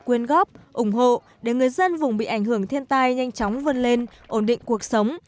quyên góp ủng hộ để người dân vùng bị ảnh hưởng thiên tai nhanh chóng vươn lên ổn định cuộc sống